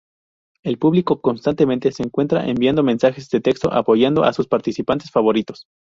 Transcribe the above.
El público constantemente se encuentra enviando mensajes de texto apoyando a sus participantes favoritos.